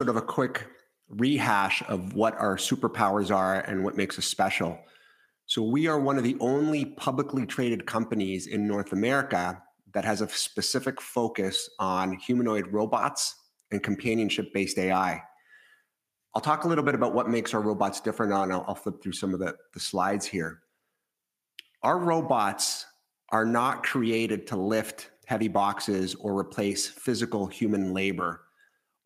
Sort of a quick rehash of what our superpowers are and what makes us special, so we are one of the only publicly traded companies in North America that has a specific focus on humanoid robots and companionship-based AI. I'll talk a little bit about what makes our robots different, and I'll flip through some of the slides here. Our robots are not created to lift heavy boxes or replace physical human labor.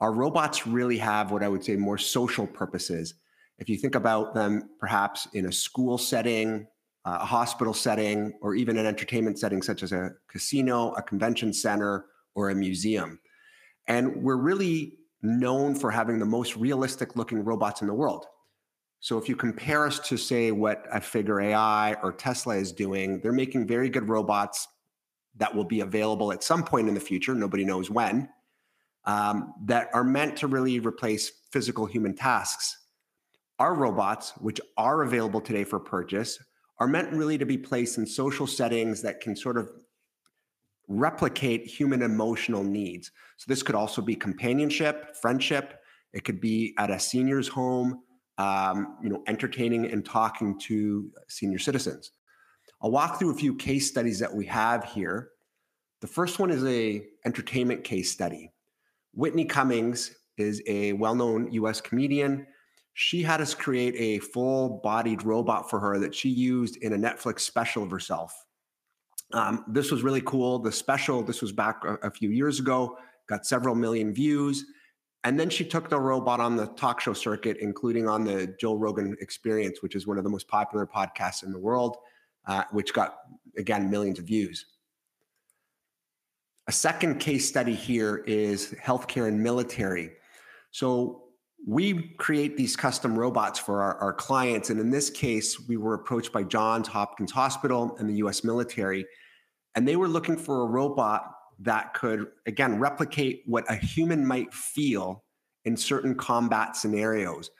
Our robots really have what I would say more social purposes. If you think about them, perhaps in a school setting, a hospital setting, or even an entertainment setting such as a casino, a convention center, or a museum, and we're really known for having the most realistic-looking robots in the world. So if you compare us to, say, what Figure AI or Tesla is doing, they're making very good robots that will be available at some point in the future, nobody knows when, that are meant to really replace physical human tasks. Our robots, which are available today for purchase, are meant really to be placed in social settings that can sort of replicate human emotional needs. So this could also be companionship, friendship. It could be at a senior's home, entertaining and talking to senior citizens. I'll walk through a few case studies that we have here. The first one is an entertainment case study. Whitney Cummings is a well-known U.S. comedian. She had us create a full-bodied robot for her that she used in a Netflix special of herself. This was really cool. The special, this was back a few years ago, got several million views. And then she took the robot on the talk show circuit, including on The Joe Rogan Experience, which is one of the most popular podcasts in the world, which got, again, millions of views. A second case study here is healthcare and military. So we create these custom robots for our clients. And in this case, we were approached by Johns Hopkins Hospital and the U.S. military. And they were looking for a robot that could, again, replicate what a human might feel in certain combat scenarios.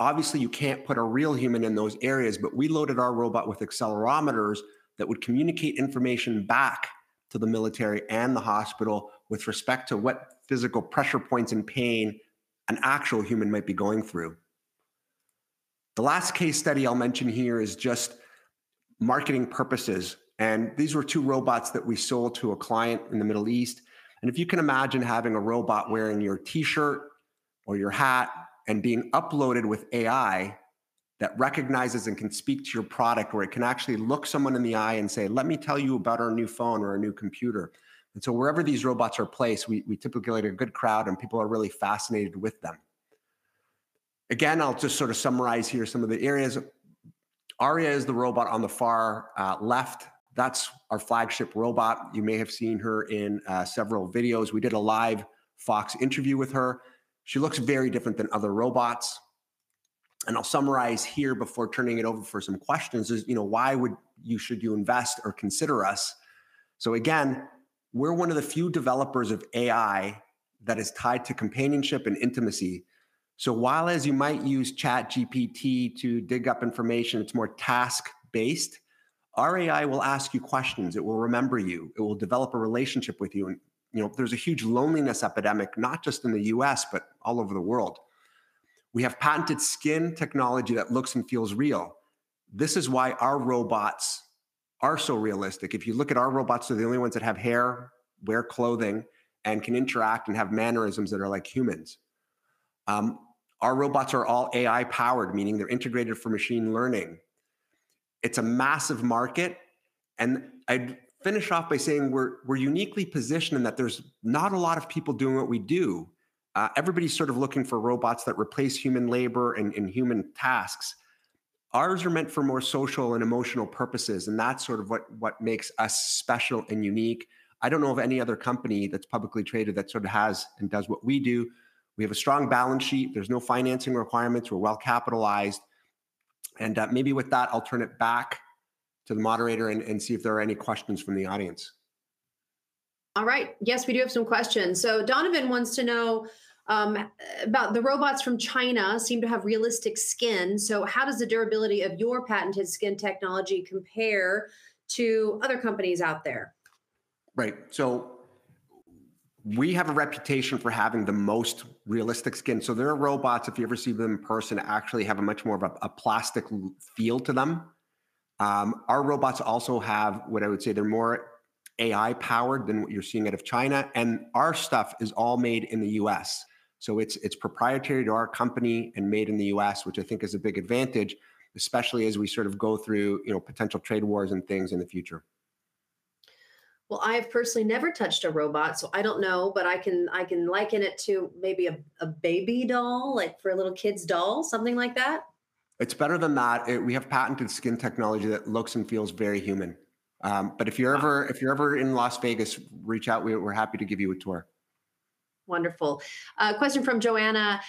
Obviously, you can't put a real human in those areas, but we loaded our robot with accelerometers that would communicate information back to the military and the hospital with respect to what physical pressure points and pain an actual human might be going through. The last case study I'll mention here is just marketing purposes. And these were two robots that we sold to a client in the Middle East. And if you can imagine having a robot wearing your T-shirt or your hat and being uploaded with AI that recognizes and can speak to your product, or it can actually look someone in the eye and say, "Let me tell you about our new phone or our new computer." And so wherever these robots are placed, we typically get a good crowd, and people are really fascinated with them. Again, I'll just sort of summarize here some of the areas. Aria is the robot on the far left. That's our flagship robot. You may have seen her in several videos. We did a live Fox interview with her. She looks very different than other robots. And I'll summarize here before turning it over for some questions: why should you invest or consider us? So again, we're one of the few developers of AI that is tied to companionship and intimacy. So while as you might use ChatGPT to dig up information, it's more task-based, our AI will ask you questions. It will remember you. It will develop a relationship with you. And there's a huge loneliness epidemic, not just in the U.S., but all over the world. We have patented skin technology that looks and feels real. This is why our robots are so realistic. If you look at our robots, they're the only ones that have hair, wear clothing, and can interact and have mannerisms that are like humans. Our robots are all AI-powered, meaning they're integrated for machine learning. It's a massive market. And I'd finish off by saying we're uniquely positioned in that there's not a lot of people doing what we do. Everybody's sort of looking for robots that replace human labor and human tasks. Ours are meant for more social and emotional purposes, and that's sort of what makes us special and unique. I don't know of any other company that's publicly traded that sort of has and does what we do. We have a strong balance sheet. There's no financing requirements. We're well capitalized. And maybe with that, I'll turn it back to the moderator and see if there are any questions from the audience. All right. Yes, we do have some questions, so Donovan wants to know about the robots from China that seem to have realistic skin, so how does the durability of your patented skin technology compare to other companies out there? Right. So we have a reputation for having the most realistic skin. So there are robots, if you ever see them in person, actually have a much more of a plastic feel to them. Our robots also have what I would say they're more AI-powered than what you're seeing out of China. And our stuff is all made in the U.S. So it's proprietary to our company and made in the U.S., which I think is a big advantage, especially as we sort of go through potential trade wars and things in the future. I have personally never touched a robot, so I don't know, but I can liken it to maybe a baby doll, like for a little kid's doll, something like that. It's better than that. We have patented skin technology that looks and feels very human. But if you're ever in Las Vegas, reach out. We're happy to give you a tour. Wonderful. Question from Joanna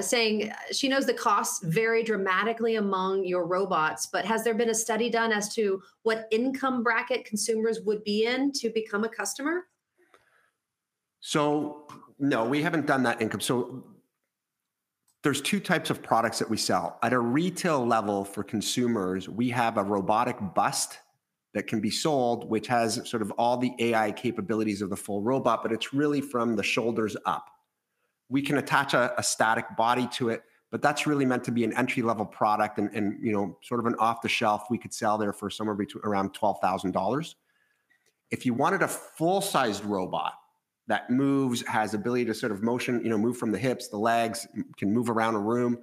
saying she knows the costs vary dramatically among your robots, but has there been a study done as to what income bracket consumers would be in to become a customer? So, no, we haven't done that income. So, there's two types of products that we sell. At a retail level for consumers, we have a robotic bust that can be sold, which has sort of all the AI capabilities of the full robot, but it's really from the shoulders up. We can attach a static body to it, but that's really meant to be an entry-level product and sort of an off-the-shelf. We could sell there for somewhere between around $12,000. If you wanted a full-sized robot that moves, has the ability to sort of motion, move from the hips, the legs, can move around a room,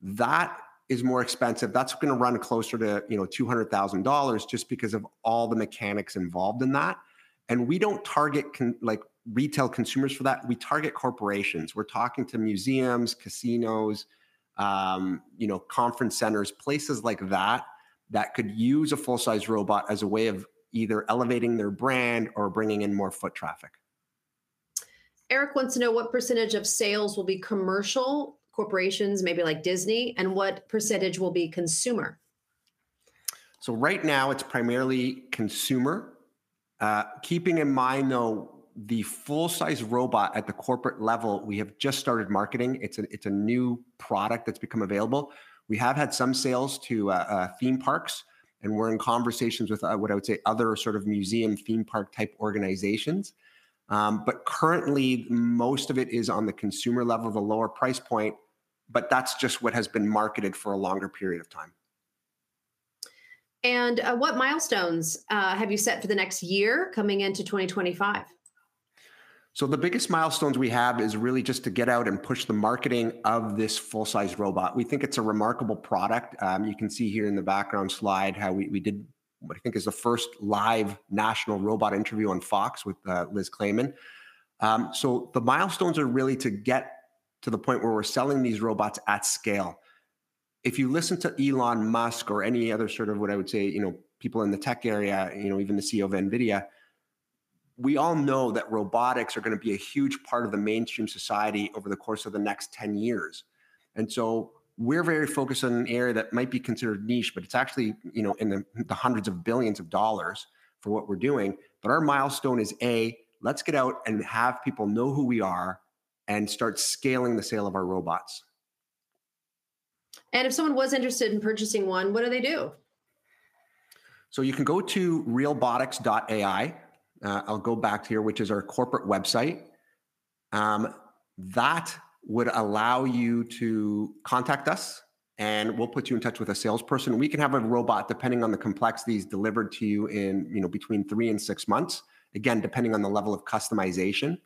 that is more expensive. That's going to run closer to $200,000 just because of all the mechanics involved in that. And we don't target retail consumers for that. We target corporations. We're talking to museums, casinos, conference centers, places like that that could use a full-sized robot as a way of either elevating their brand or bringing in more foot traffic. Eric wants to know what percentage of sales will be commercial corporations, maybe like Disney, and what percentage will be consumer. So right now, it's primarily consumer. Keeping in mind, though, the full-sized robot at the corporate level, we have just started marketing. It's a new product that's become available. We have had some sales to theme parks, and we're in conversations with what I would say other sort of museum theme park-type organizations. But currently, most of it is on the consumer level of a lower price point, but that's just what has been marketed for a longer period of time. What milestones have you set for the next year coming into 2025? The biggest milestones we have are really just to get out and push the marketing of this full-sized robot. We think it's a remarkable product. You can see here in the background slide how we did what I think is the first live national robot interview on Fox with Liz Claman. The milestones are really to get to the point where we're selling these robots at scale. If you listen to Elon Musk or any other sort of what I would say people in the tech area, even the CEO of NVIDIA, we all know that robotics are going to be a huge part of the mainstream society over the course of the next 10 years. We're very focused on an area that might be considered niche, but it's actually in the hundreds of billions of dollars for what we're doing. But our milestone is, A, let's get out and have people know who we are and start scaling the sale of our robots. If someone was interested in purchasing one, what do they do? So you can go to realbotix.ai. I'll go back here, which is our corporate website. That would allow you to contact us, and we'll put you in touch with a salesperson. We can have a robot, depending on the complexities, delivered to you in between three and six months, again, depending on the level of customization.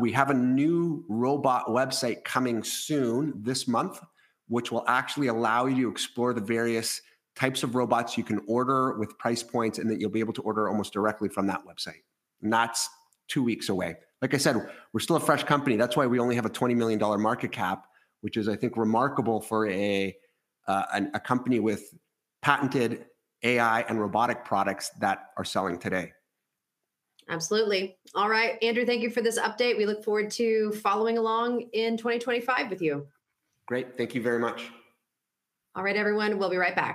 We have a new robot website coming soon this month, which will actually allow you to explore the various types of robots you can order with price points and that you'll be able to order almost directly from that website. And that's two weeks away. Like I said, we're still a fresh company. That's why we only have a $20 million market cap, which is, I think, remarkable for a company with patented AI and robotic products that are selling today. Absolutely. All right, Andrew, thank you for this update. We look forward to following along in 2025 with you. Great. Thank you very much. All right, everyone. We'll be right back.